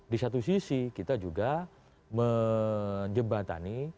di satu sisi kita juga menjebatani